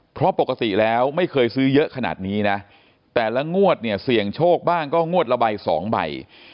เพราะปกติแล้วไม่เคยซื้อเยอะขนาดนี้นะแต่ละงวดเนี่ยเสี่ยงโชคบ้างก็งวดละใบสองใบ